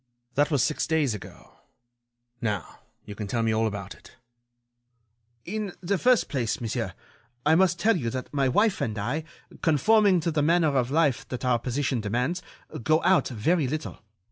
"That was six days ago. Now, you can tell me all about it." "In the first place, monsieur, I must tell you that my wife and I, conforming to the manner of life that our position demands, go out very little.